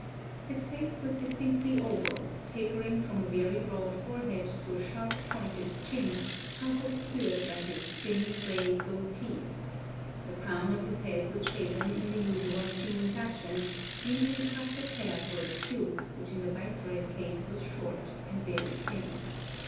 His face was distinctly oval, tapering from a very broad forehead to a sharp pointed chin, half obscured by his thin, gray "goatee." The crown of his head was shaven in the usual Tsing fashion, leaving a tuft of hair for a queue, which in the viceroy's case was short and very thin.